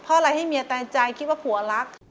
เผาล่ะให้เมียตายใจคิดว่าผัวลัก